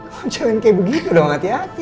kok jalan kayak begitu dong hati hati